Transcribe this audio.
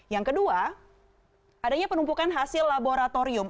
yang kedua adanya penumpukan hasil laboratorium